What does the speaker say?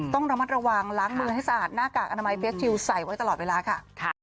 ต้องระมัดระวังล้างมือให้สะอาดหน้ากากอนามัยเฟสทิวใส่ไว้ตลอดเวลาค่ะ